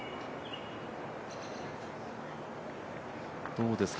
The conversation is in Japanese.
どうですか？